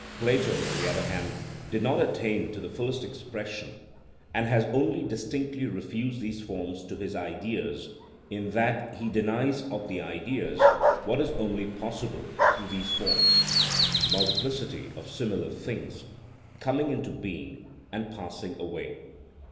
Plato, on the other hand, did not attain to the fullest expression, and has only distinctly refused these forms to his Ideas in that he denies of the Ideas what is only possible through these forms, multiplicity of similar things, coming into being and passing away.